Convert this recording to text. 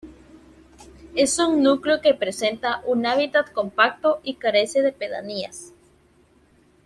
Es un núcleo que presenta un hábitat compacto y carece de pedanías.